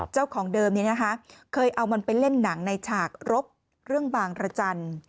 เจ้าของเดิมเคยเอามันไปเล่นหนังในฉากรบเรื่องบางระจันทร์